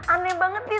aneh banget deh